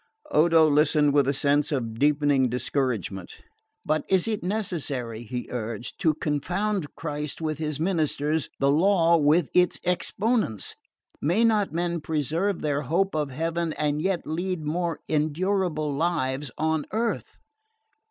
Odo listened with a sense of deepening discouragement. "But is it necessary," he urged, "to confound Christ with His ministers, the law with its exponents? May not men preserve their hope of heaven and yet lead more endurable lives on earth?"